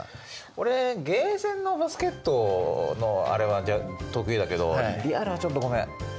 俺ゲーセンのバスケットのあれは得意だけどリアルはちょっとごめん。